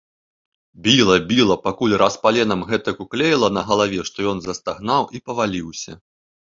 Біла, біла, пакуль раз паленам гэтак уклеіла на галаве, што ён застагнаў і паваліўся.